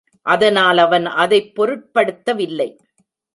அதனால் அவன் அதைப் பொருட்படுத்தவில்லை.